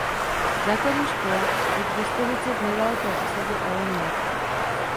Základní škola je k dispozici v nedaleké osadě Elon More.